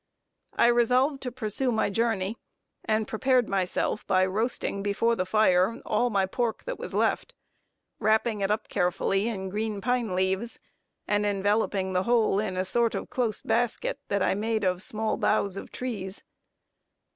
I resolved to pursue my journey, and prepared myself, by roasting before the fire, all my pork that was left, wrapping it up carefully in green pine leaves, and enveloping the whole in a sort of close basket, that I made of small boughs of trees.